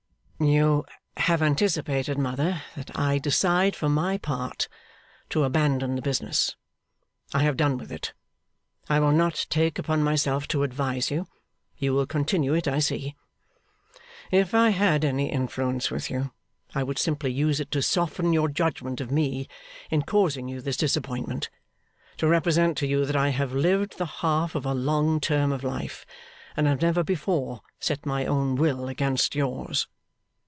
'You have anticipated, mother, that I decide for my part, to abandon the business. I have done with it. I will not take upon myself to advise you; you will continue it, I see. If I had any influence with you, I would simply use it to soften your judgment of me in causing you this disappointment: to represent to you that I have lived the half of a long term of life, and have never before set my own will against yours.